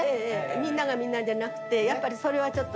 みんながみんなじゃなくてそれはちょっとね。